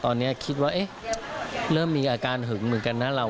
ตอนนี้คิดว่าเริ่มมีอาการหึงเหมือนกันนะเรา